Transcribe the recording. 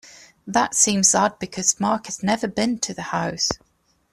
That seems odd because Mark has never been to the house.